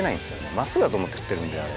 真っすぐだと思って振ってるんであれ。